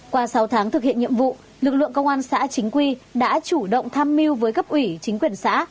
qua sáu tháng thực hiện nhiệm vụ lực lượng công an xã chính quy đã chủ động tham mưu với cấp ủy chính quyền xã